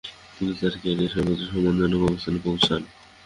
তিনি তার ক্যারিয়ারের সর্বোচ্চ সম্মানজনক অবস্থানে পৌছান।